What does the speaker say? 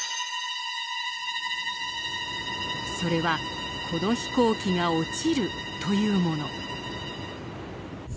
それはこの飛行機が落ちるというもの。